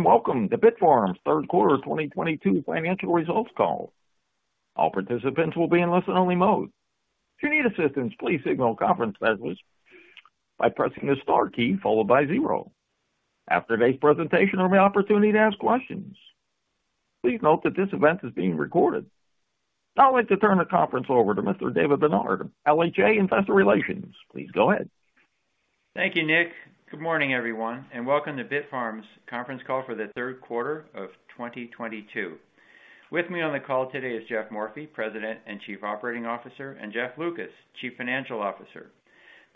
Welcome to Bitfarms' third quarter of 2022 financial results call. All participants will be in listen-only mode. If you need assistance, please signal a conference specialist by pressing the star key followed by zero. After today's presentation, there will be opportunity to ask questions. Please note that this event is being recorded. Now I'd like to turn the conference over to Mr. David Barnard, LHA Investor Relations. Please go ahead. Thank you, Nick. Good morning, everyone, and welcome to Bitfarms' conference call for the third quarter of 2022. With me on the call today is Geoff Morphy, President and Chief Operating Officer, and Jeff Lucas, Chief Financial Officer.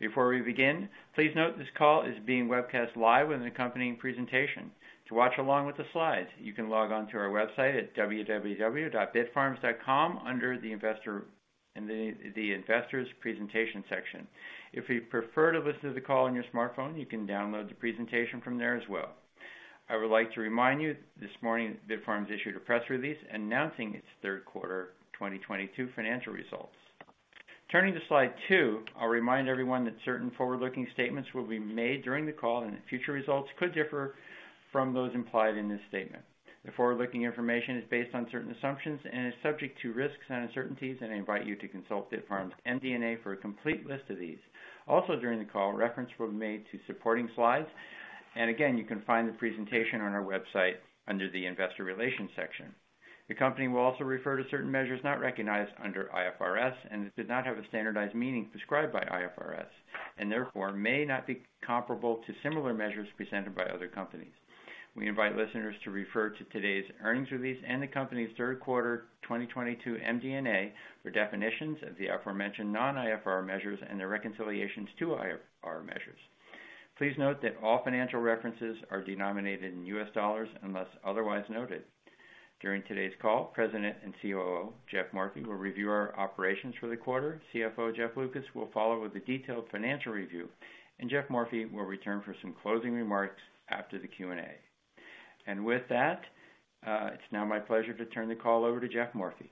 Before we begin, please note this call is being webcast live with an accompanying presentation. To watch along with the slides, you can log on to our website at www.bitfarms.com under the investors presentation section. If you prefer to listen to the call on your smartphone, you can download the presentation from there as well. I would like to remind you this morning Bitfarms has issued a press release announcing its third quarter 2022 financial results. Turning to slide two, I'll remind everyone that certain forward-looking statements will be made during the call and that future results could differ from those implied in this statement. The forward-looking information is based on certain assumptions and is subject to risks and uncertainties, and I invite you to consult Bitfarms MD&A for a complete list of these. Also during the call, reference will be made to supporting slides, and again, you can find the presentation on our website under the investor relations section. The company will also refer to certain measures not recognized under IFRS and that do not have a standardized meaning prescribed by IFRS, and therefore may not be comparable to similar measures presented by other companies. We invite listeners to refer to today's earnings release and the company's third quarter 2022 MD&A for definitions of the aforementioned non-IFRS measures and their reconciliations to IFRS measures. Please note that all financial references are denominated in U.S. dollars unless otherwise noted. During today's call, President and COO, Geoffrey Morphy, will review our operations for the quarter. CFO Jeff Lucas will follow with a detailed financial review, and Geoff Morphy will return for some closing remarks after the Q&A. With that, it's now my pleasure to turn the call over to Geoff Morphy.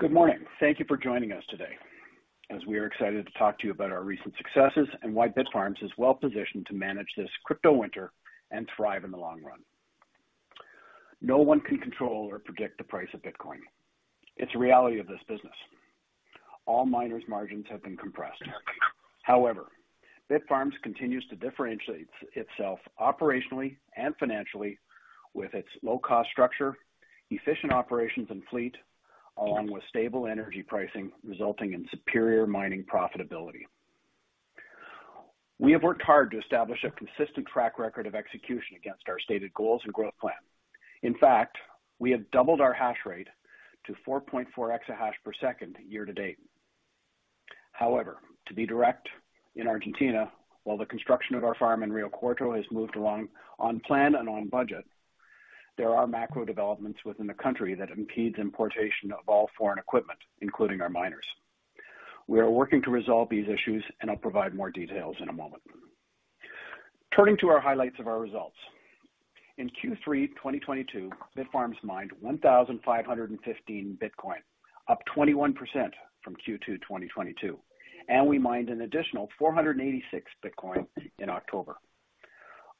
Good morning. Thank you for joining us today, as we are excited to talk to you about our recent successes and why Bitfarms is well positioned to manage this crypto winter and thrive in the long run. No one can control or predict the price of Bitcoin. It's a reality of this business. All miners' margins have been compressed. However, Bitfarms continues to differentiate itself operationally and financially with its low-cost structure, efficient operations and fleet, along with stable energy pricing resulting in superior mining profitability. We have worked hard to establish a consistent track record of execution against our stated goals and growth plan. In fact, we have doubled our hash rate to 4.4 exahash per second year to date. However, to be direct, in Argentina, while the construction of our farm in Rio Cuarto has moved along on plan and on budget, there are macro developments within the country that impedes importation of all foreign equipment, including our miners. We are working to resolve these issues, and I'll provide more details in a moment. Turning to our highlights of our results. In Q3 2022, Bitfarms mined 1,515 Bitcoin, up 21% from Q2 2022, and we mined an additional 486 Bitcoin in October.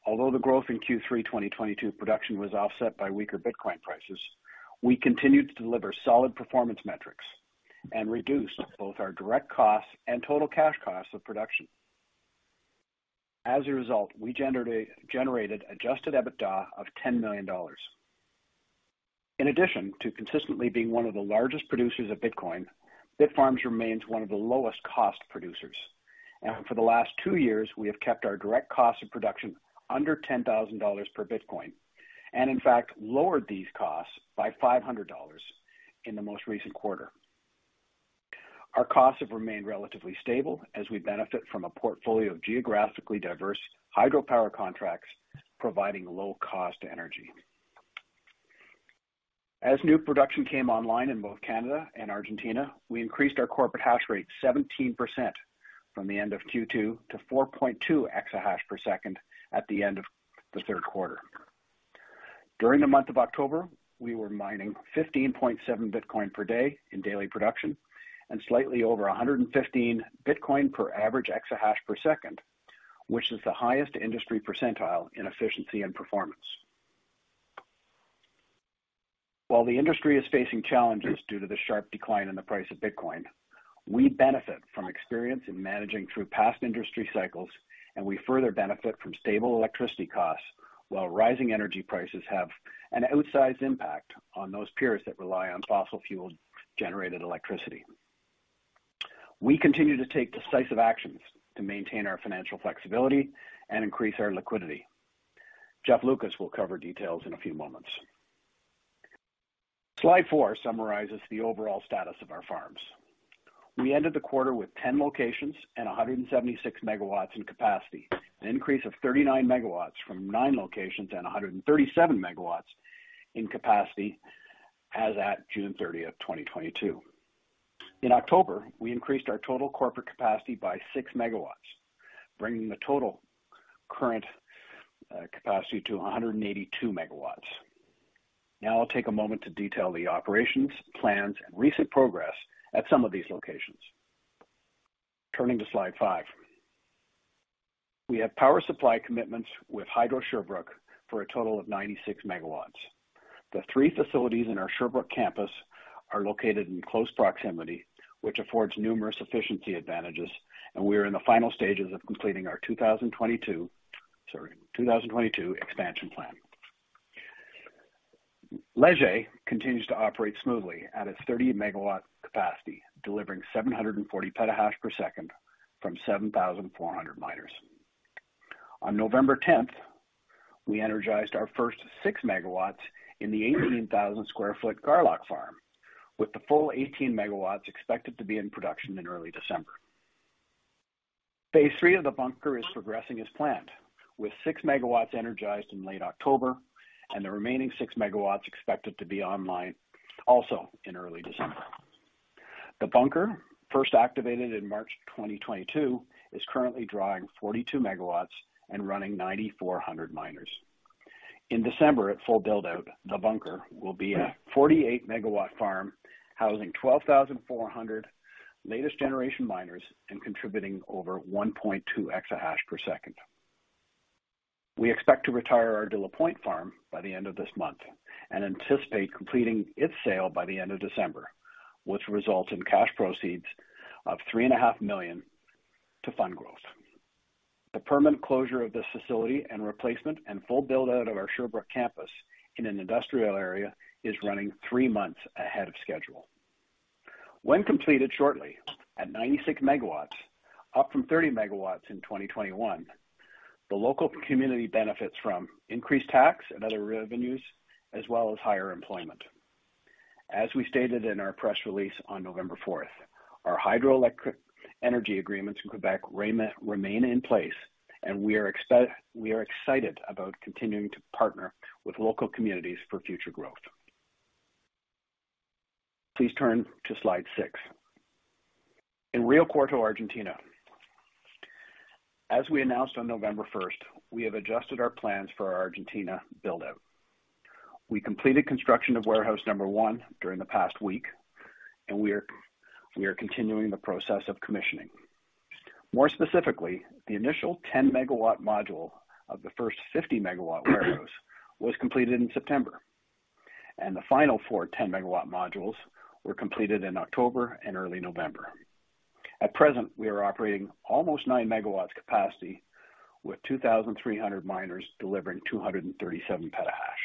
Although the growth in Q3 2022 production was offset by weaker Bitcoin prices, we continued to deliver solid performance metrics and reduced both our direct costs and total cash costs of production. As a result, we generated Adjusted EBITDA of $10 million. In addition to consistently being one of the largest producers of Bitcoin, Bitfarms remains one of the lowest cost producers. For the last two years, we have kept our direct cost of production under $10,000 per Bitcoin, and in fact lowered these costs by $500 in the most recent quarter. Our costs have remained relatively stable as we benefit from a portfolio of geographically diverse hydropower contracts providing low cost energy. As new production came online in both Canada and Argentina, we increased our corporate hash rate 17% from the end of Q2 to 4.2 exahash per second at the end of the third quarter. During the month of October, we were mining 15.7 Bitcoin per day in daily production and slightly over 115 Bitcoin per average exahash per second, which is the highest industry percentile in efficiency and performance. While the industry is facing challenges due to the sharp decline in the price of Bitcoin, we benefit from experience in managing through past industry cycles, and we further benefit from stable electricity costs while rising energy prices have an outsized impact on those peers that rely on fossil fuel-generated electricity. We continue to take decisive actions to maintain our financial flexibility and increase our liquidity. Jeff Lucas will cover details in a few moments. Slide four summarizes the overall status of our farms. We ended the quarter with 10 locations and 176 MW in capacity, an increase of 39 MW from nine locations and 137 MW in capacity as at June 30th, 2022. In October, we increased our total corporate capacity by 6 MW, bringing the total current capacity to 182 MW. Now I'll take a moment to detail the operations, plans, and recent progress at some of these locations. Turning to slide five. We have power supply commitments with Hydro-Sherbrooke for a total of 96 MW. The three facilities in our Sherbrooke campus are located in close proximity, which affords numerous efficiency advantages, and we are in the final stages of completing our 2022 expansion plan. Leger continues to operate smoothly at its 30 MW capacity, delivering 740 PH/s from 7,400 miners. On November 10th, we energized our first 6 MW in the 18,000 sq ft Garlock farm, with the full 18 MW expected to be in production in early December. Phase III of the bunker is progressing as planned, with 6 MW energized in late October and the remaining 6 MW expected to be online also in early December. The bunker, first activated in March 2022, is currently drawing 42 MW and running 9,400 miners. In December, at full build-out, the bunker will be a 48 MW farm housing 12,400 latest generation miners and contributing over 1.2 EH/s. We expect to retire our De la Pointe farm by the end of this month and anticipate completing its sale by the end of December, which results in cash proceeds of $3.5 million to fund growth. The permanent closure of this facility and replacement and full build-out of our Sherbrooke campus in an industrial area is running three months ahead of schedule. When completed shortly at 96 MW, up from 30 MW in 2021, the local community benefits from increased tax and other revenues as well as higher employment. As we stated in our press release on November fourth, our hydroelectric energy agreements in Québec remain in place and we are excited about continuing to partner with local communities for future growth. Please turn to slide six. In Río Cuarto, Argentina, as we announced on November first, we have adjusted our plans for our Argentina build-out. We completed construction of warehouse number one during the past week, and we are continuing the process of commissioning. More specifically, the initial 10 MW module of the first 50 MW warehouse was completed in September, and the final four 10 MW modules were completed in October and early November. At present, we are operating almost 9 MW capacity with 2,300 miners delivering 237 petahash.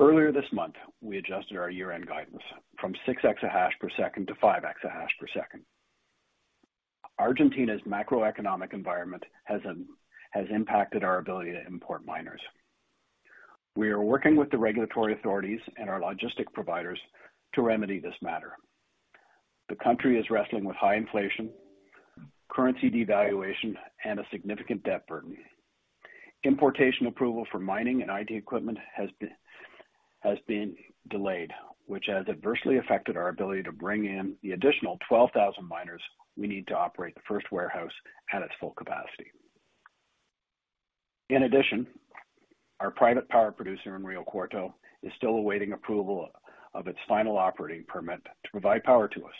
Earlier this month, we adjusted our year-end guidance from six exahash per second to five exahash per second. Argentina's macroeconomic environment has impacted our ability to import miners. We are working with the regulatory authorities and our logistics providers to remedy this matter. The country is wrestling with high inflation, currency devaluation, and a significant debt burden. Importation approval for mining and IT equipment has been delayed, which has adversely affected our ability to bring in the additional 12,000 miners we need to operate the first warehouse at its full capacity. In addition, our private power producer in Río Cuarto is still awaiting approval of its final operating permit to provide power to us.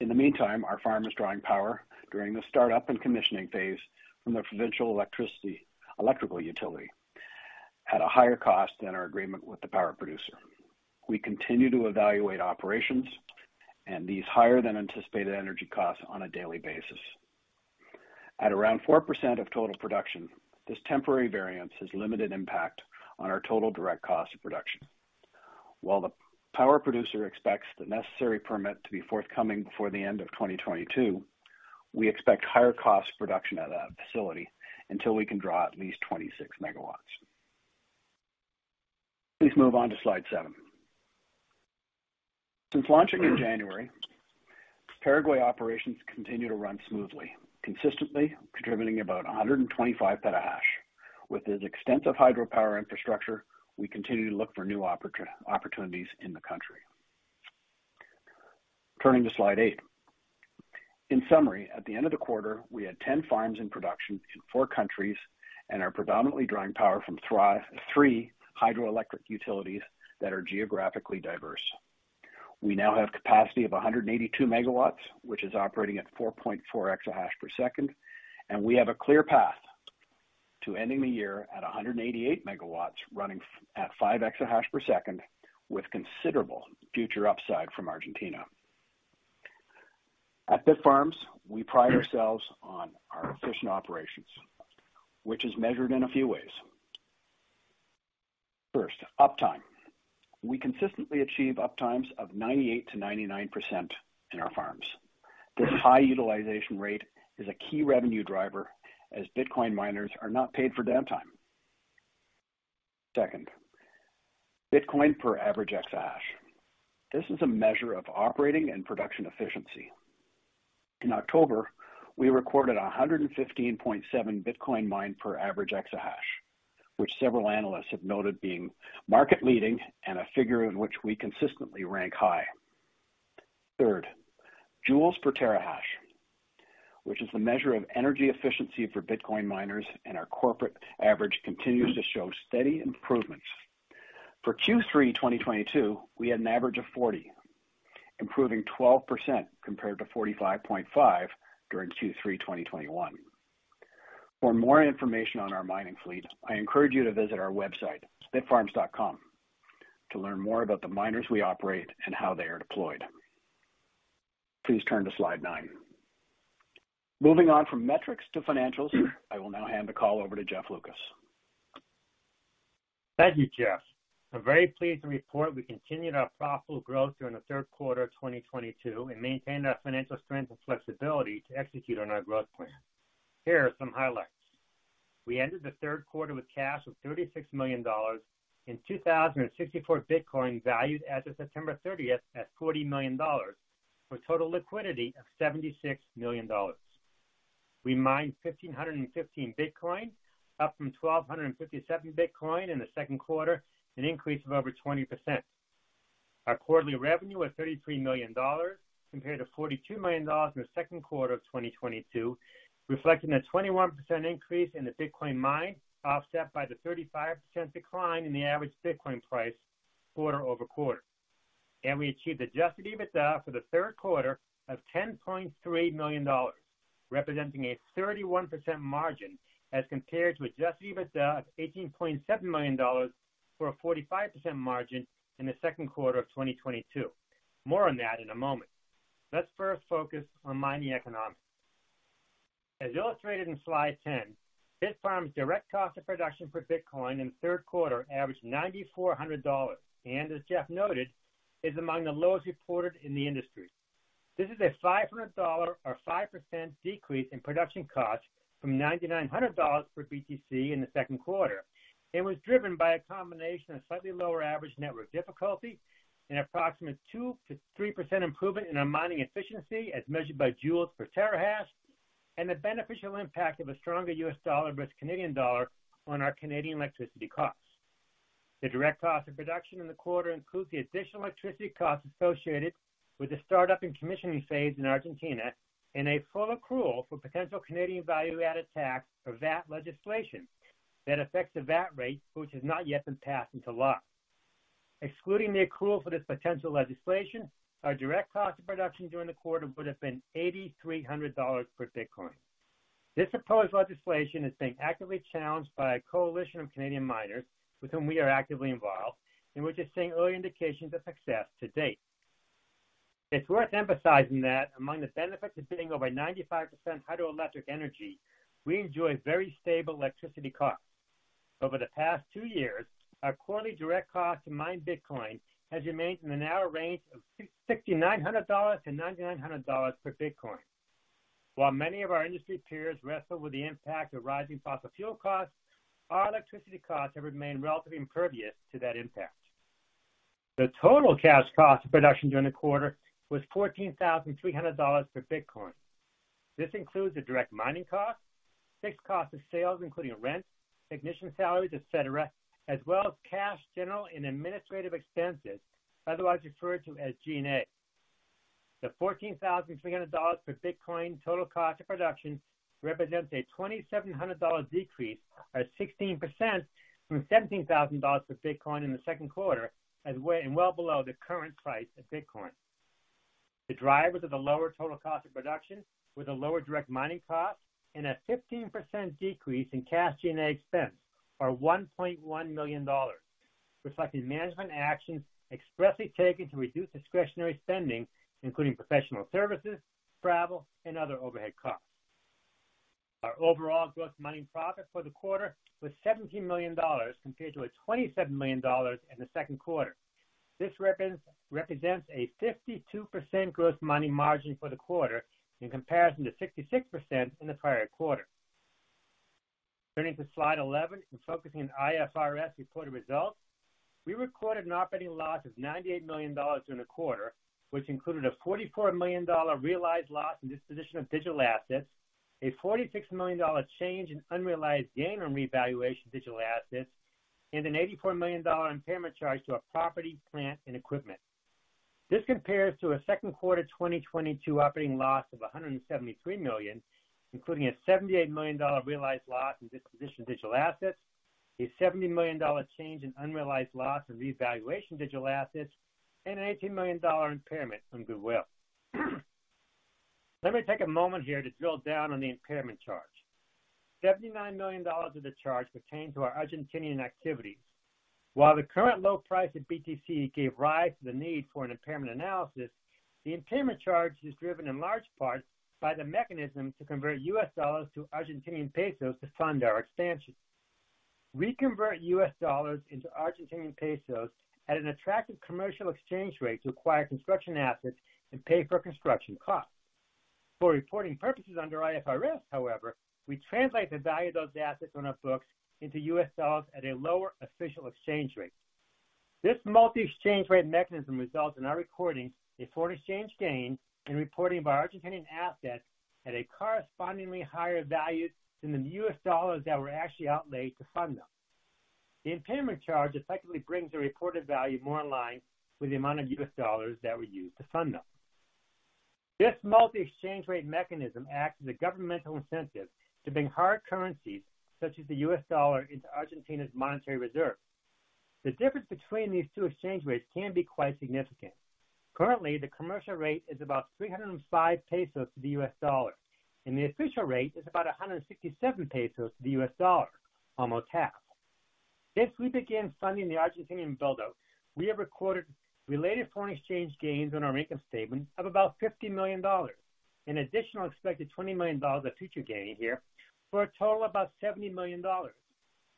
In the meantime, our farm is drawing power during the start-up and commissioning phase from the provincial electrical utility at a higher cost than our agreement with the power producer. We continue to evaluate operations and these higher than anticipated energy costs on a daily basis. At around 4% of total production, this temporary variance has limited impact on our total direct cost of production. While the power producer expects the necessary permit to be forthcoming before the end of 2022, we expect higher cost production at that facility until we can draw at least 26 MW. Please move on to slide seven. Since launching in January, Paraguay operations continue to run smoothly, consistently contributing about 125 petahash. With its extensive hydropower infrastructure, we continue to look for new opportunities in the country. Turning to slide eight. In summary, at the end of the quarter, we had 10 farms in production in four countries and are predominantly drawing power from three hydroelectric utilities that are geographically diverse. We now have capacity of 182 MW, which is operating at 4.4 exahash per second, and we have a clear path to ending the year at 188 MW running at five exahash per second with considerable future upside from Argentina. At Bitfarms, we pride ourselves on our efficient operations, which is measured in a few ways. First, uptime. We consistently achieve uptimes of 98%-99% in our farms. This high utilization rate is a key revenue driver as Bitcoin miners are not paid for downtime. Second, Bitcoin per average exahash. This is a measure of operating and production efficiency. In October, we recorded 115.7 Bitcoin mined per average exahash, which several analysts have noted being market-leading and a figure in which we consistently rank high. Third, joules per terahash, which is the measure of energy efficiency for Bitcoin miners, and our corporate average continues to show steady improvements. For Q3 2022, we had an average of 40, improving 12% compared to 45.5 during Q3 2021. For more information on our mining fleet, I encourage you to visit our website, bitfarms.com, to learn more about the miners we operate and how they are deployed. Please turn to slide 9. Moving on from metrics to financials, I will now hand the call over to Jeff Lucas. Thank you, Geoff. We're very pleased to report we continued our profitable growth during the third quarter of 2022, and maintained our financial strength and flexibility to execute on our growth plan. Here are some highlights. We ended the third quarter with cash of $36 million in 2,064 Bitcoin, valued as of September 30th at $40 million, for total liquidity of $76 million. We mined 1,515 Bitcoin, up from 1,257 Bitcoin in the second quarter, an increase of over 20%. Our quarterly revenue was $33 million compared to $42 million in the second quarter of 2022, reflecting a 21% increase in the Bitcoin mined, offset by the 35% decline in the average Bitcoin price quarter-over-quarter. We achieved Adjusted EBITDA for the third quarter of $10.3 million, representing a 31% margin as compared to Adjusted EBITDA of $18.7 million for a 45% margin in the second quarter of 2022. More on that in a moment. Let's first focus on mining economics. As illustrated in slide 10, Bitfarms' direct cost of production per Bitcoin in the third quarter averaged $9,400, and as Jeff noted, is among the lowest reported in the industry. This is a $500 or 5% decrease in production costs from $9,900 per BTC in the second quarter. It was driven by a combination of slightly lower average network difficulty, an approximate 2%-3% improvement in our mining efficiency as measured by joules per terahash, and the beneficial impact of a stronger U.S. dollar versus Canadian dollar on our Canadian electricity costs. The direct cost of production in the quarter includes the additional electricity costs associated with the start-up and commissioning phase in Argentina and a full accrual for potential Canadian value-added tax or VAT legislation that affects the VAT rate, which has not yet been passed into law. Excluding the accrual for this potential legislation, our direct cost of production during the quarter would have been $8,300 per Bitcoin. This proposed legislation is being actively challenged by a coalition of Canadian miners with whom we are actively involved, and we're just seeing early indications of success to date. It's worth emphasizing that among the benefits of sitting over 95% hydroelectric energy, we enjoy very stable electricity costs. Over the past two years, our quarterly direct cost to mine Bitcoin has remained in the narrow range of $6,900-$9,900 per Bitcoin. While many of our industry peers wrestle with the impact of rising fossil fuel costs, our electricity costs have remained relatively impervious to that impact. The total cash cost of production during the quarter was $14,300 per Bitcoin. This includes the direct mining costs, fixed cost of sales, including rent, technician salaries, et cetera, as well as cash, general, and administrative expenses, otherwise referred to as G&A. The $14,300 per Bitcoin total cost of production represents a $2,700 decrease or 16% from $17,000 per Bitcoin in the second quarter, as well and well below the current price of Bitcoin. The drivers of the lower total cost of production with a lower direct mining cost and a 15% decrease in cash G&A expense, or $1.1 million, reflecting management actions expressly taken to reduce discretionary spending, including professional services, travel, and other overhead costs. Our overall gross mining profit for the quarter was $17 million, compared to $27 million in the second quarter. This represents a 52% gross mining margin for the quarter in comparison to 66% in the prior quarter. Turning to slide 11 and focusing on IFRS reported results, we recorded an operating loss of $98 million during the quarter, which included a $44 million realized loss in disposition of digital assets, a $46 million change in unrealized gain on revaluation of digital assets, and an $84 million impairment charge to our property, plant, and equipment. This compares to a second quarter 2022 operating loss of $173 million, including a $78 million realized loss in disposition of digital assets, a $70 million change in unrealized loss in revaluation of digital assets, and an $18 million impairment from goodwill. Let me take a moment here to drill down on the impairment charge. $79 million of the charge pertained to our Argentinian activities. While the current low price of BTC gave rise to the need for an impairment analysis, the impairment charge is driven in large part by the mechanism to convert U.S. dollars to Argentinian pesos to fund our expansion. We convert U.S. dollars into Argentinian pesos at an attractive commercial exchange rate to acquire construction assets and pay for construction costs. For reporting purposes under IFRS, however, we translate the value of those assets on our books into U.S. Dollars at a lower official exchange rate. This multi-exchange rate mechanism results in our recording a foreign exchange gain in reporting of our Argentinian assets at a correspondingly higher value than the U.S. dollars that were actually outlaid to fund them. The impairment charge effectively brings the reported value more in line with the amount of U.S. dollars that we use to fund them. This multi exchange rate mechanism acts as a governmental incentive to bring hard currencies such as the U.S. Dollar into Argentina's monetary reserve. The difference between these two exchange rates can be quite significant. Currently, the commercial rate is about 305 pesos to the U.S. dollar, and the official rate is about 167 pesos to the U.S. Dollar, almost half. Since we began funding the Argentinian build out, we have recorded related foreign exchange gains on our income statement of about $50 million. An additional expected $20 million of future gain here for a total of about $70 million,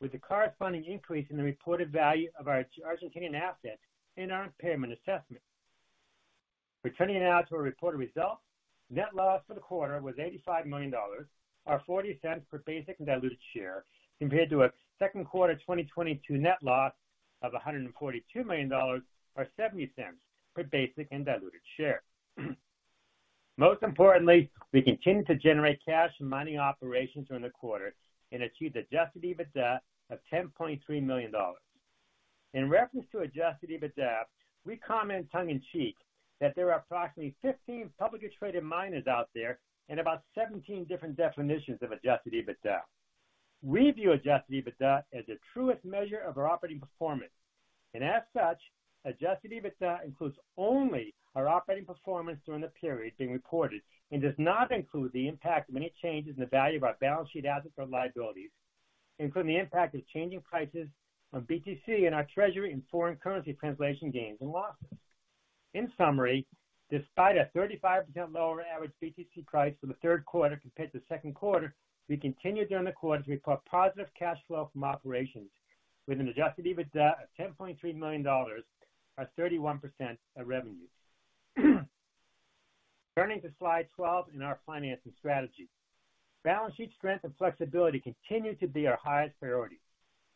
with a corresponding increase in the reported value of our Argentinian assets in our impairment assessment. Returning now to our reported results. Net loss for the quarter was $85 million, or $0.40 per basic and diluted share, compared to a second quarter 2022 net loss of $142 million, or $0.70 per basic and diluted share. Most importantly, we continue to generate cash from mining operations during the quarter and achieve Adjusted EBITDA of $10.3 million. In reference to Adjusted EBITDA, we comment tongue in cheek that there are approximately 15 publicly traded miners out there and about 17 different definitions of Adjusted EBITDA. We view Adjusted EBITDA as the truest measure of our operating performance. As such, Adjusted EBITDA includes only our operating performance during the period being reported, and does not include the impact of any changes in the value of our balance sheet assets or liabilities, including the impact of changing prices on BTC in our treasury and foreign currency translation gains and losses. In summary, despite a 35% lower average BTC price for the third quarter compared to the second quarter, we continued during the quarter to report positive cash flow from operations with an Adjusted EBITDA of $10.3 million, or 31% of revenue. Turning to slide 12 in our financing strategy. Balance sheet strength and flexibility continue to be our highest priority.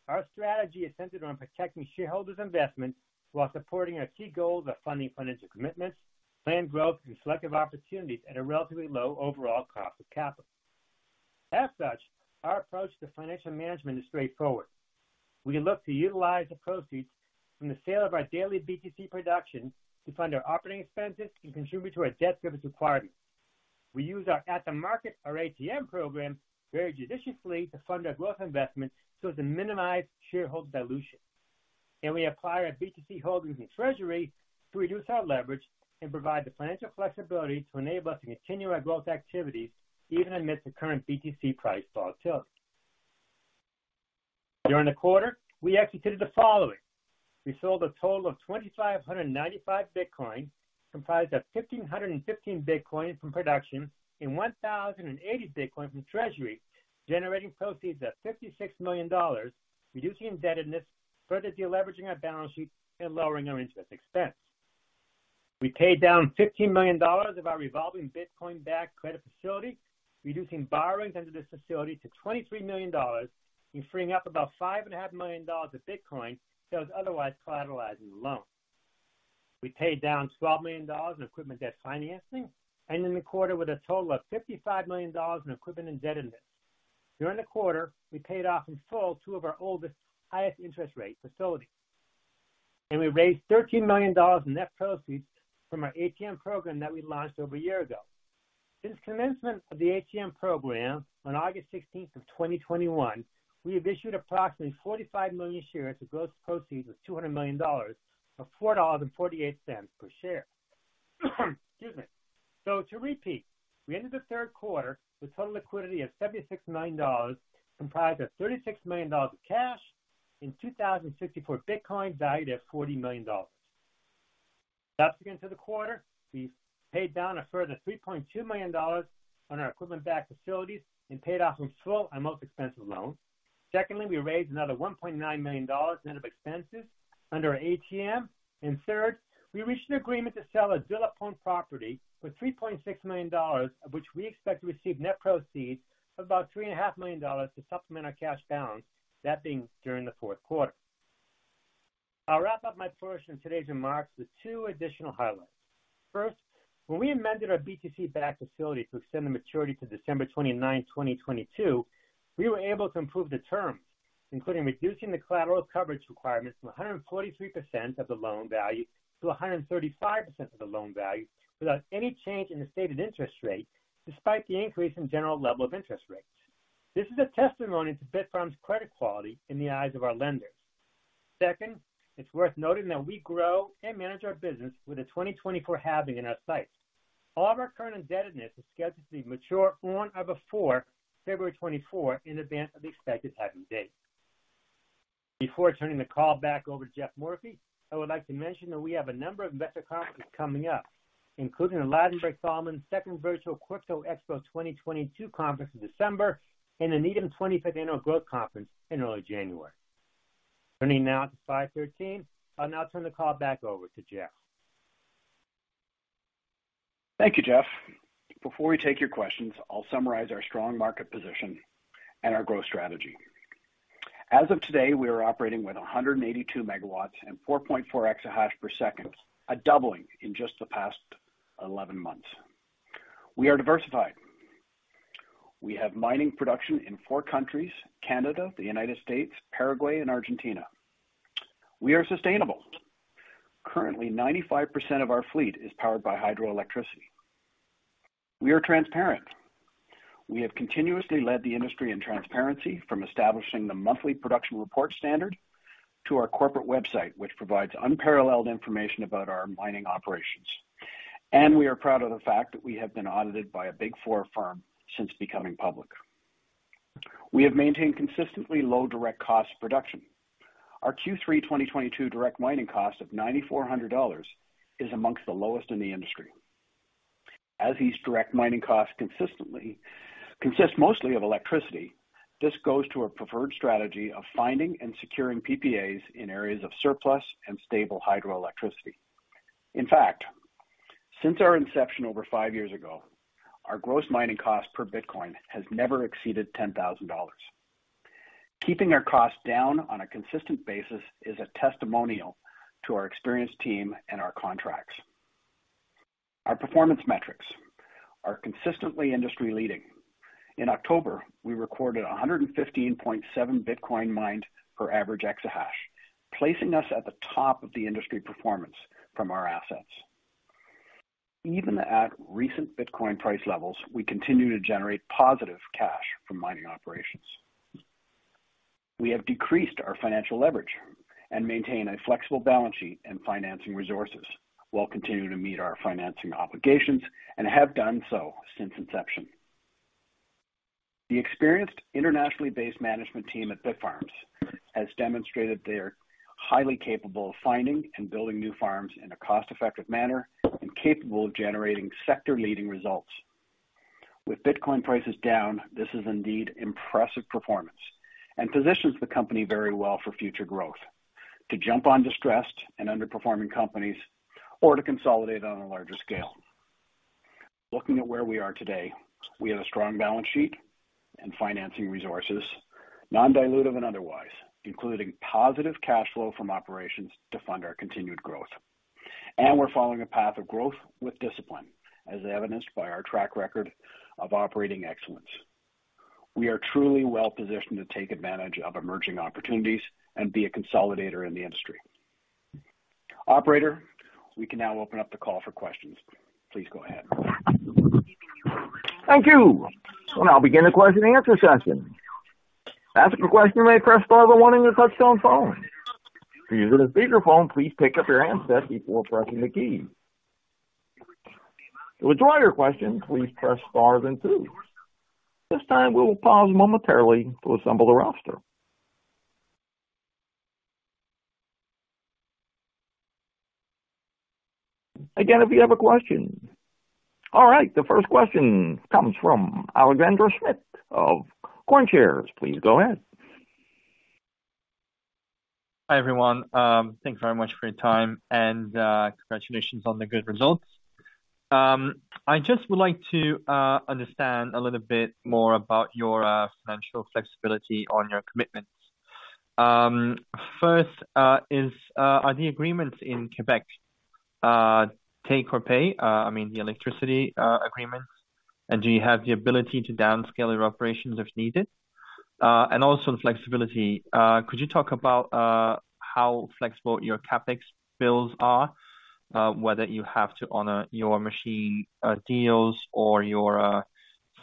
Our strategy is centered on protecting shareholders' investment while supporting our key goals of funding financial commitments, planned growth, and selective opportunities at a relatively low overall cost of capital. As such, our approach to financial management is straightforward. We look to utilize the proceeds from the sale of our daily BTC production to fund our operating expenses and contribute to our debt service requirements. We use our at-the-market or ATM program very judiciously to fund our growth investments so as to minimize shareholder dilution. We apply our BTC holdings in treasury to reduce our leverage and provide the financial flexibility to enable us to continue our growth activities even amidst the current BTC price volatility. During the quarter, we executed the following. We sold a total of 2,595 Bitcoin, comprised of 1,515 Bitcoin from production and 1,080 Bitcoin from treasury, generating proceeds of $56 million, reducing indebtedness, further deleveraging our balance sheet, and lowering our interest expense. We paid down $15 million of our revolving Bitcoin-backed credit facility, reducing borrowings under this facility to $23 million, and freeing up about $5.5 million of Bitcoin that was otherwise collateralized in the loan. We paid down $12 million in equipment debt financing, ending the quarter with a total of $55 million in equipment indebtedness. During the quarter, we paid off in full two of our oldest highest interest rate facilities. We raised $13 million in net proceeds from our ATM program that we launched over a year ago. Since commencement of the ATM program on August 16th, 2021, we have issued approximately 45 million shares with gross proceeds of $200 million, or $4.48 per share. Excuse me. To repeat, we ended the third quarter with total liquidity of $76 million, comprised of $36 million of cash and 2,064 Bitcoin valued at $40 million. Fast forward to the quarter, we've paid down a further $3.2 million on our equipment-backed facilities and paid off in full our most expensive loans. Secondly, we raised another $1.9 million net of expenses under our ATM. Third, we reached an agreement to sell a De la Pointe property for $3.6 million, of which we expect to receive net proceeds of about $3.5 million to supplement our cash balance, that being during the fourth quarter. I'll wrap up my portion of today's remarks with two additional highlights. First, when we amended our BTC-backed facility to extend the maturity to December 29th, 2022, we were able to improve the terms, including reducing the collateral coverage requirements from 143% of the loan value to 135% of the loan value without any change in the stated interest rate, despite the increase in general level of interest rates. This is a testimony to Bitfarms's credit quality in the eyes of our lenders. Second, it's worth noting that we grow and manage our business with a 2024 halving in our sights. All of our current indebtedness is scheduled to be mature on or before February 2024 in advance of the expected halving date. Before turning the call back over to Geoff Morphy, I would like to mention that we have a number of investor conferences coming up, including the Ladenburg Thalmann Virtual Crypto Expo 2022 conference in December and the Needham 25th Annual Growth Conference in early January. Turning now to slide 13. I'll now turn the call back over to Geoff. Thank you, Jeff. Before we take your questions, I'll summarize our strong market position and our growth strategy. As of today, we are operating with 182 MW and 4.4 exahash per second, a doubling in just the past 11 months. We are diversified. We have mining production in four countries, Canada, the United States, Paraguay, and Argentina. We are sustainable. Currently 95% of our fleet is powered by hydroelectricity. We are transparent. We have continuously led the industry in transparency from establishing the monthly production report standard to our corporate website, which provides unparalleled information about our mining operations. We are proud of the fact that we have been audited by a Big Four firm since becoming public. We have maintained consistently low direct cost production. Our Q3 2022 direct mining cost of $9,400 is among the lowest in the industry. As these direct mining costs consistently consist mostly of electricity, this goes to our preferred strategy of finding and securing PPAs in areas of surplus and stable hydroelectricity. In fact, since our inception over five years ago, our gross mining cost per Bitcoin has never exceeded $10,000. Keeping our costs down on a consistent basis is a testimonial to our experienced team and our contracts. Our performance metrics are consistently industry leading. In October, we recorded 115.7 Bitcoin mined per average exahash, placing us at the top of the industry performance from our assets. Even at recent Bitcoin price levels, we continue to generate positive cash from mining operations. We have decreased our financial leverage and maintain a flexible balance sheet and financing resources while continuing to meet our financing obligations and have done so since inception. The experienced internationally based management team at Bitfarms has demonstrated they are highly capable of finding and building new farms in a cost-effective manner and capable of generating sector-leading results. With Bitcoin prices down, this is indeed impressive performance and positions the company very well for future growth to jump on distressed and underperforming companies or to consolidate on a larger scale. Looking at where we are today, we have a strong balance sheet and financing resources, non-dilutive and otherwise, including positive cash flow from operations to fund our continued growth. We're following a path of growth with discipline, as evidenced by our track record of operating excellence. We are truly well positioned to take advantage of emerging opportunities and be a consolidator in the industry. Operator, we can now open up the call for questions. Please go ahead. Thank you. We'll now begin the question-and-answer session. To ask a question, press star one on your touchtone phone. If you're using a speakerphone, please pick up your handset before pressing the key. To withdraw your question, please press star then two. This time, we will pause momentarily to assemble the roster. Again, if you have a question. All right. The first question comes from Alexandre Schmidt of CoinShares. Please go ahead. Hi, everyone. Thanks very much for your time and congratulations on the good results. I just would like to understand a little bit more about your financial flexibility on your commitments. First, are the agreements in Québec take or pay? I mean, the electricity agreements, and do you have the ability to downscale your operations if needed? Also the flexibility. Could you talk about how flexible your CapEx bills are, whether you have to honor your machine deals or your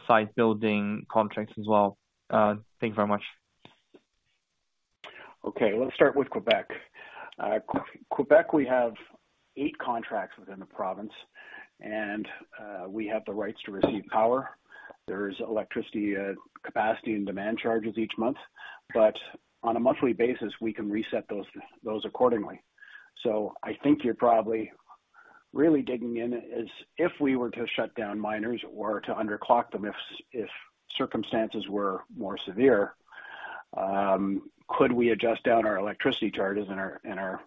site building contracts as well? Thank you very much. Okay. Let's start with Quebec. Quebec, we have eight contracts within the province, and we have the rights to receive power. There's electricity, capacity and demand charges each month, but on a monthly basis, we can reset those accordingly. I think you're probably really digging in is if we were to shut down miners or to underclock them if circumstances were more severe, could we adjust down our electricity charges and our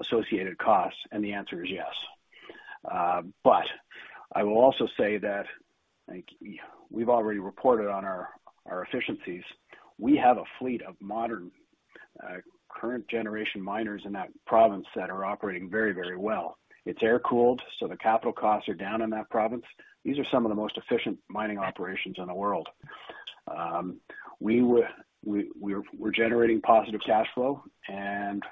associated costs? The answer is yes. But I will also say that, like, we've already reported on our efficiencies. We have a fleet of modern, current generation miners in that province that are operating very, very well. It's air-cooled, so the capital costs are down in that province. These are some of the most efficient mining operations in the world. We're generating positive cash flow, and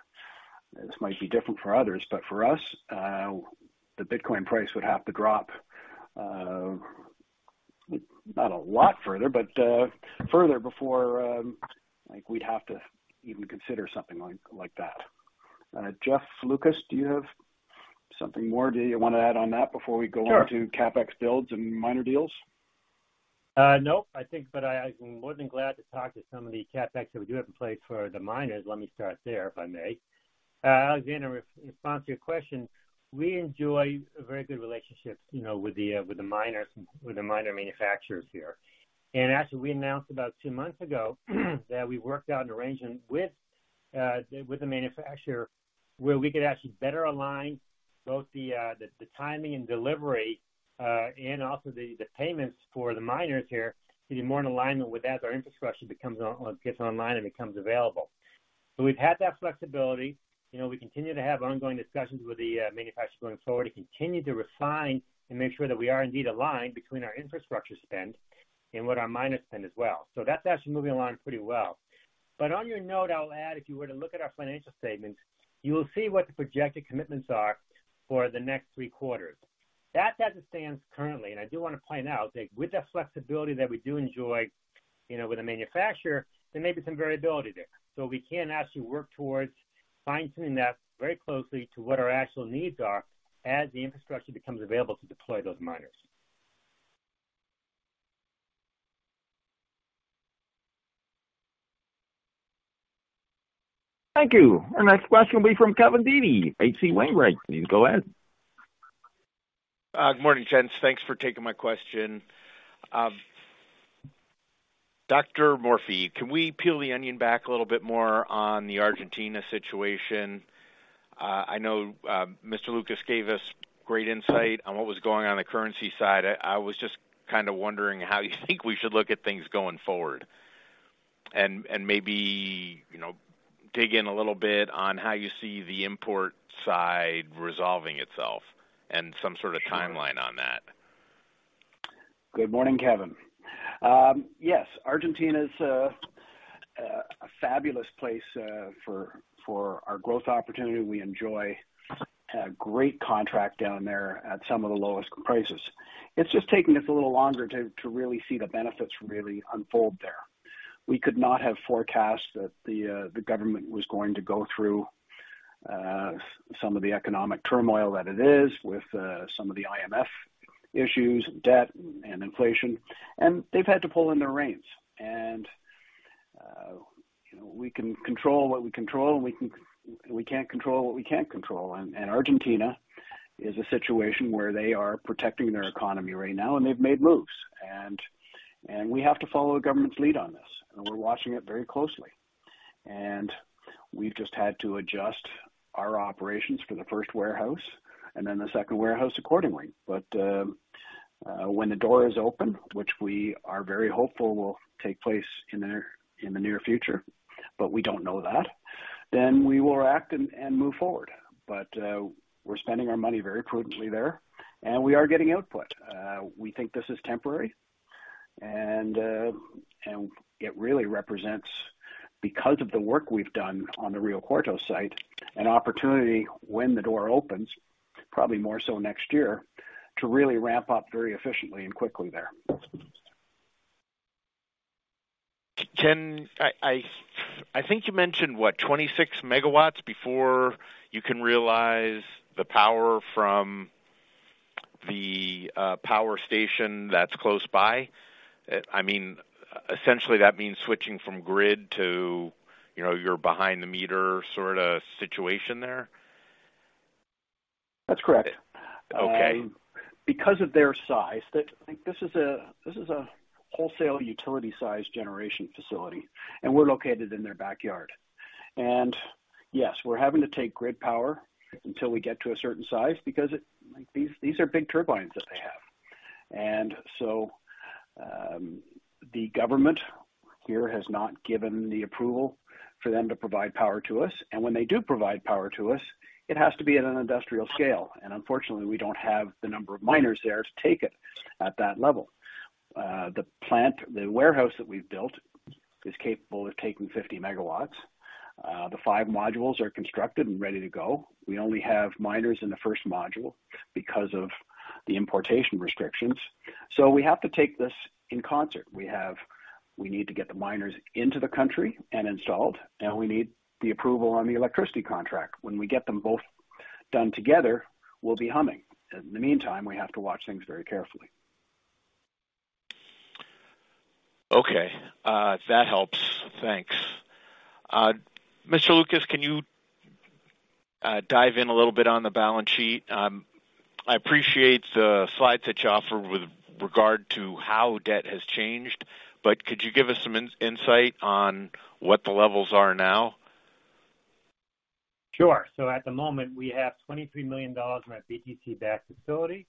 this might be different for others, but for us, the Bitcoin price would have to drop not a lot further, but further before, like, we'd have to even consider something like that. Jeff Lucas, do you have something more? Do you wanna add on that before we go? Sure. Onto CapEx builds and miner deals? No, I think I'm more than glad to talk to some of the CapEx that we do have in place for the miners. Let me start there, if I may. Chase White, in response to your question, we enjoy a very good relationship, you know, with the miners, with the miner manufacturers here. Actually, we announced about two months ago that we worked out an arrangement with the manufacturer, where we could actually better align both the timing and delivery and also the payments for the miners here to be more in alignment with as our infrastructure gets online and becomes available. We've had that flexibility. You know, we continue to have ongoing discussions with the manufacturer going forward to continue to refine and make sure that we are indeed aligned between our infrastructure spend and what our miners spend as well. That's actually moving along pretty well. On your note, I'll add, if you were to look at our financial statements, you will see what the projected commitments are for the next three quarters. That as it stands currently, and I do want to point out that with that flexibility that we do enjoy, you know, with the manufacturer, there may be some variability there. We can actually work towards fine-tuning that very closely to what our actual needs are as the infrastructure becomes available to deploy those miners. Thank you. Our next question will be from Kevin Dede, H.C. Wainwright. Please go ahead. Good morning, gents. Thanks for taking my question. Geoff Morphy, can we peel the onion back a little bit more on the Argentina situation? I know Mr. Lucas gave us great insight on what was going on the currency side. I was just kind of wondering how you think we should look at things going forward. Maybe, you know, dig in a little bit on how you see the import side resolving itself and some sort of timeline on that. Good morning, Kevin. Yes, Argentina's a fabulous place for our growth opportunity. We enjoy a great contract down there at some of the lowest prices. It's just taken us a little longer to really see the benefits really unfold there. We could not have forecast that the government was going to go through some of the economic turmoil that it is with some of the IMF issues, debt and inflation. They've had to pull in their reins. You know, we can control what we control, and we can't control what we can't control. Argentina is a situation where they are protecting their economy right now, and they've made moves. We have to follow the government's lead on this, and we're watching it very closely. We've just had to adjust our operations for the first warehouse and then the second warehouse accordingly. When the door is open, which we are very hopeful will take place in the near future, but we don't know that, then we will act and move forward. We're spending our money very prudently there, and we are getting output. We think this is temporary, and it really represents, because of the work we've done on the Rio Cuarto site, an opportunity when the door opens, probably more so next year, to really ramp up very efficiently and quickly there. I think you mentioned, what, 26 MW before you can realize the power from the power station that's close by. I mean, essentially, that means switching from grid to, you know, your behind-the-meter sorta situation there. That's correct. Okay. Because of their size, this is a wholesale utility size generation facility, and we're located in their backyard. Yes, we're having to take grid power until we get to a certain size because these are big turbines that they have. The government here has not given the approval for them to provide power to us. When they do provide power to us, it has to be at an industrial scale. Unfortunately, we don't have the number of miners there to take it at that level. The plant, the warehouse that we've built is capable of taking 50 MW. The five modules are constructed and ready to go. We only have miners in the first module because of the importation restrictions. We have to take this in concert. We need to get the miners into the country and installed, and we need the approval on the electricity contract. When we get them both done together, we'll be humming. In the meantime, we have to watch things very carefully. Okay, that helps. Thanks. Mr. Lucas, can you dive in a little bit on the balance sheet? I appreciate the slides that you offer with regard to how debt has changed, but could you give us some insight on what the levels are now? Sure. At the moment, we have $23 million in our BTC-backed facility,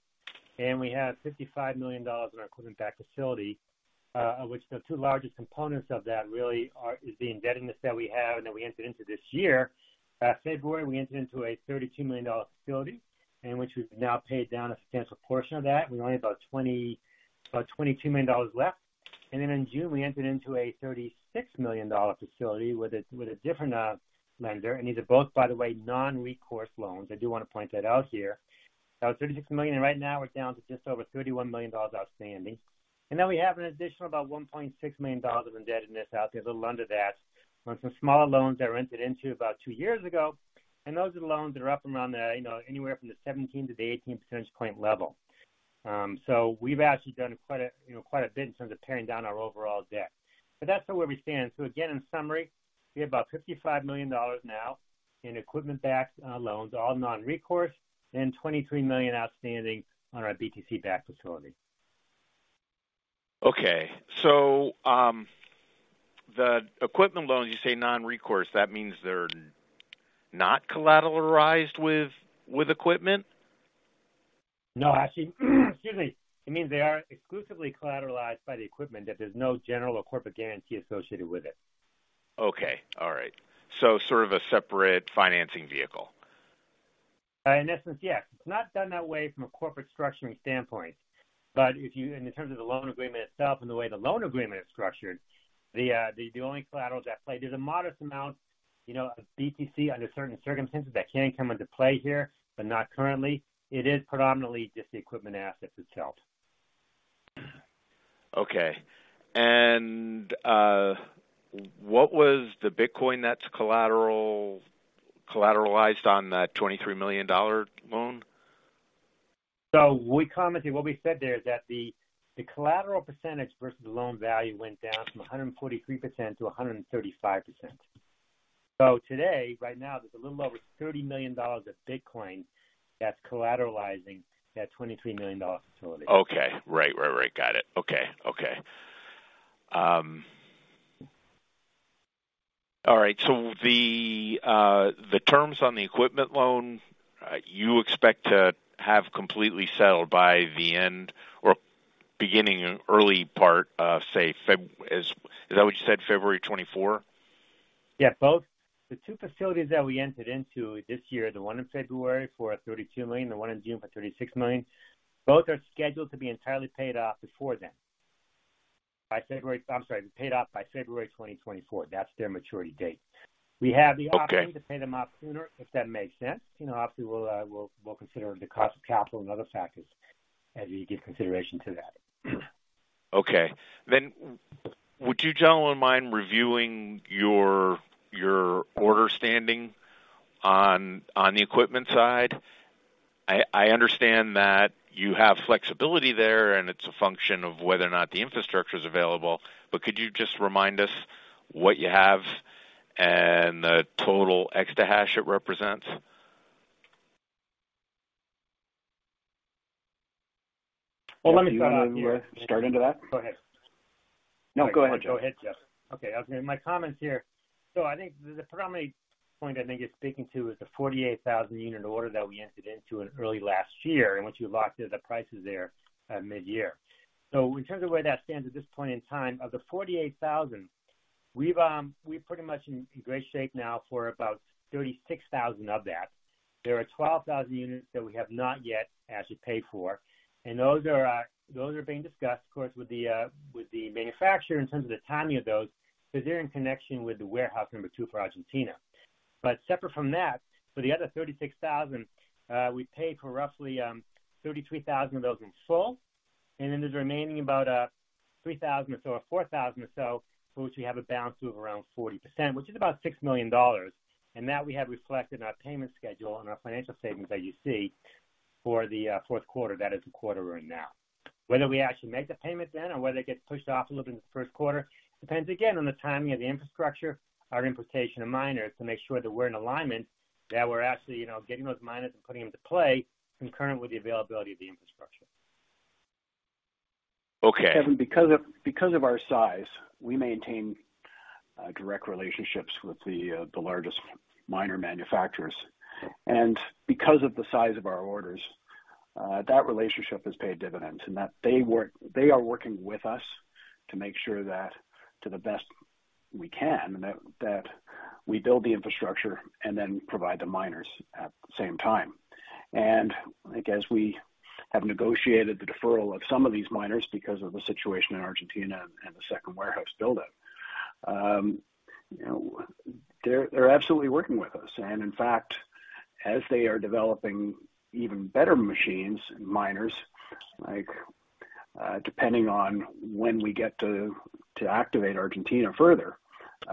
and we have $55 million in our equipment-backed facility, which the two largest components of that really are is the indebtedness that we have and that we entered into this year. February, we entered into a $32 million facility in which we've now paid down a substantial portion of that. We only have about $22 million left. In June, we entered into a $36 million facility with a different lender. These are both, by the way, non-recourse loans. I do wanna point that out here. $36 million, and right now we're down to just over $31 million outstanding. We have an additional about $1.6 million of indebtedness out there, a little under that, on some smaller loans that entered into about two years ago. Those are the loans that are up around the, you know, anywhere from 17-18 percentage point level. We've actually done quite a, you know, quite a bit in terms of paring down our overall debt. That's where we stand. Again, in summary, we have about $55 million now in equipment-backed loans, all non-recourse, and $23 million outstanding on our BTC-backed facility. Okay. The equipment loans, you say non-recourse. That means they're not collateralized with equipment? No, actually, excuse me. It means they are exclusively collateralized by the equipment, that there's no general or corporate guarantee associated with it. Okay. All right. Sort of a separate financing vehicle. In essence, yes. It's not done that way from a corporate structuring standpoint. In terms of the loan agreement itself and the way the loan agreement is structured, the only collateral that's pledged, there's a modest amount, you know, of BTC under certain circumstances that can come into play here, but not currently. It is predominantly just the equipment assets itself. What was the Bitcoin that's collateralized on that $23 million loan? We commented, what we said there is that the collateral percentage versus loan value went down from 143%-135%. Today, right now, there's a little over $30 million of Bitcoin that's collateralizing that $23 million facility. Okay. Right. Got it. Okay. All right. The terms on the equipment loan, you expect to have completely settled by the end or beginning, early part of, say, February 2024? Is that what you said, February 2024? Yeah, both. The two facilities that we entered into this year, the one in February for $32 million, the one in June for $36 million, both are scheduled to be entirely paid off before then. Paid off by February 2024. That's their maturity date. Okay. We have the option to pay them off sooner, if that makes sense. You know, obviously, we'll consider the cost of capital and other factors as we give consideration to that. Okay. Would you gentlemen mind reviewing your outstanding order on the equipment side? I understand that you have flexibility there, and it's a function of whether or not the infrastructure is available. Could you just remind us what you have and the total exahash it represents? Well, let me start here. Do you want me to start into that? Go ahead. No, go ahead, Jeff. Okay. My comments here. I think the predominant point I think you're speaking to is the 48,000 unit order that we entered into in early last year, and once you locked in the prices there at mid-year. In terms of where that stands at this point in time, of the 48,000, we're pretty much in great shape now for about 36,000 of that. There are 12,000 units that we have not yet actually paid for, and those are being discussed, of course, with the manufacturer in terms of the timing of those, because they're in connection with the warehouse number two for Argentina. Separate from that, for the other 36,000, we paid for roughly 33,000 of those in full, and then there's remaining about 3,000 or so or 4,000 or so, for which we have a balance of around 40%, which is about $6 million. That we have reflected in our payment schedule and our financial statements that you see for the fourth quarter. That is the quarter we're in now. Whether we actually make the payments then or whether it gets pushed off a little bit into the first quarter depends, again, on the timing of the infrastructure, our importation of miners to make sure that we're in alignment, that we're actually, you know, getting those miners and putting them to play concurrent with the availability of the infrastructure. Okay. Kevin, because of our size, we maintain direct relationships with the largest miner manufacturers. Because of the size of our orders, that relationship has paid dividends in that they are working with us to make sure that to the best we can, that we build the infrastructure, and then provide the miners at the same time. I guess we have negotiated the deferral of some of these miners because of the situation in Argentina and the second warehouse build out. You know, they're absolutely working with us. In fact, as they are developing even better machines, miners, like, depending on when we get to activate Argentina further,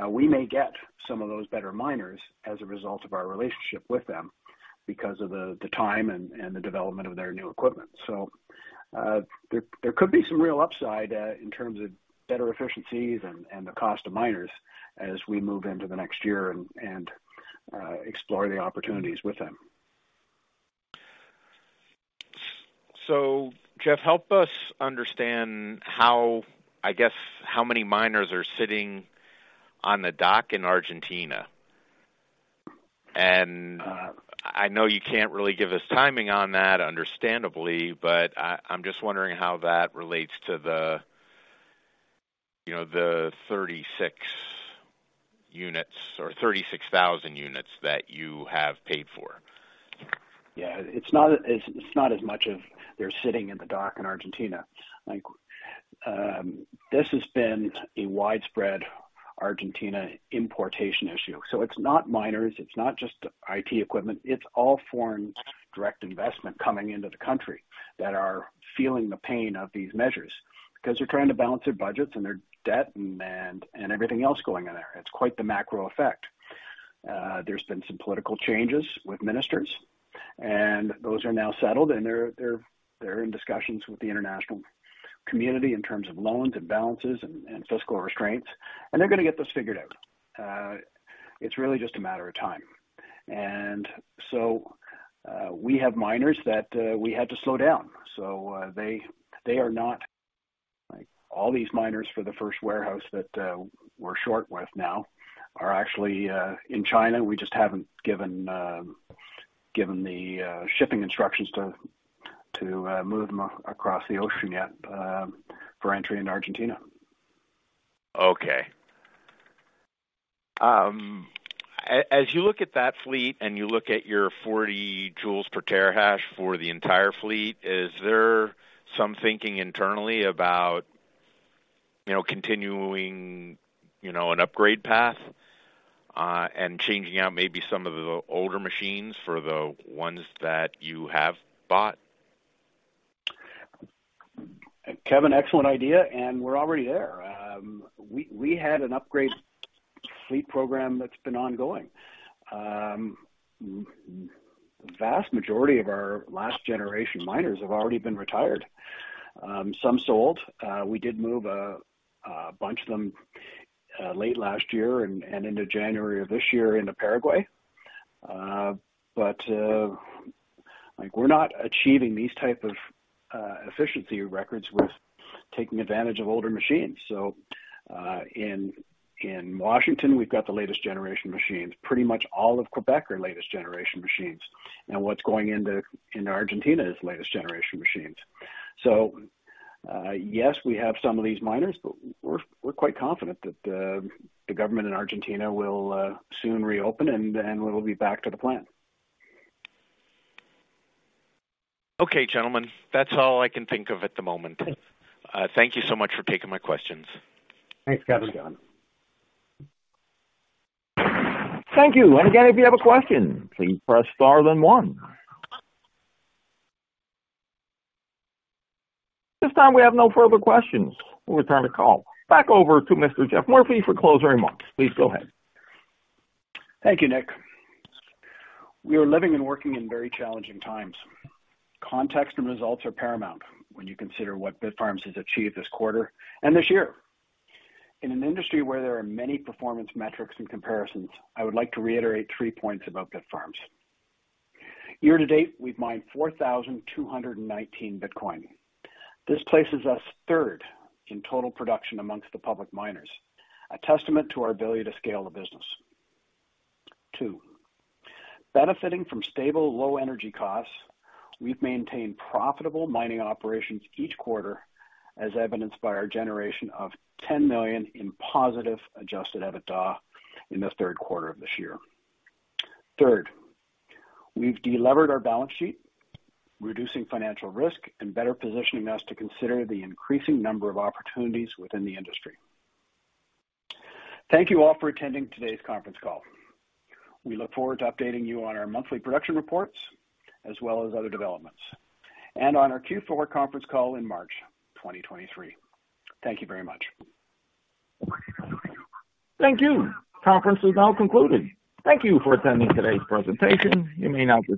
we may get some of those better miners as a result of our relationship with them because of the time and the development of their new equipment. There could be some real upside in terms of better efficiencies and the cost of miners as we move into the next year and explore the opportunities with them. Geoff, help us understand how, I guess, how many miners are sitting on the dock in Argentina. I know you can't really give us timing on that, understandably, but I'm just wondering how that relates to the, you know, the 36 units or 36,000 units that you have paid for. Yeah. It's not as much as they're sitting in the dock in Argentina. Like, this has been a widespread Argentina importation issue. It's not miners, it's not just IT equipment, it's all foreign direct investment coming into the country that are feeling the pain of these measures because they're trying to balance their budgets and their debt and everything else going in there. It's quite the macro effect. There's been some political changes with ministers, and those are now settled, and they're in discussions with the international community in terms of loans and balances and fiscal restraints, and they're gonna get this figured out. It's really just a matter of time. We have miners that we had to slow down. They are not like all these miners for the first warehouse that we're short with now are actually in China. We just haven't given the shipping instructions to move them across the ocean yet for entry into Argentina. Okay. As you look at that fleet and you look at your 40 joules per terahash for the entire fleet, is there some thinking internally about, you know, continuing, you know, an upgrade path, and changing out maybe some of the older machines for the ones that you have bought? Kevin, excellent idea, and we're already there. We had an upgrade fleet program that's been ongoing. Vast majority of our last generation miners have already been retired, some sold. We did move a bunch of them late last year and into January of this year into Paraguay. Like, we're not achieving these type of efficiency records with taking advantage of older machines. In Washington, we've got the latest generation machines. Pretty much all of Québec are latest generation machines. Now what's going into Argentina is latest generation machines. Yes, we have some of these miners, but we're quite confident that the government in Argentina will soon reopen and we'll be back to the plan. Okay, gentlemen. That's all I can think of at the moment. Thank you so much for taking my questions. Thanks, Kevin. Thanks, Jeff. Thank you. Again, if you have a question, please press star then one. This time we have no further questions. We'll return the call back over to Mr. Geoff Morphy for closing remarks. Please go ahead. Thank you, Nick. We are living and working in very challenging times. Context and results are paramount when you consider what Bitfarms has achieved this quarter and this year. In an industry where there are many performance metrics and comparisons, I would like to reiterate three points about Bitfarms. Year to date, we've mined 4,219 Bitcoin. This places us third in total production among the public miners, a testament to our ability to scale the business. Two, benefiting from stable, low energy costs, we've maintained profitable mining operations each quarter, as evidenced by our generation of $10 million in positive Adjusted EBITDA in the third quarter of this year. Third, we've delevered our balance sheet, reducing financial risk and better positioning us to consider the increasing number of opportunities within the industry. Thank you all for attending today's conference call. We look forward to updating you on our monthly production reports as well as other developments, and on our Q4 conference call in March 2023. Thank you very much. Thank you. Conference is now concluded. Thank you for attending today's presentation. You may now disconnect.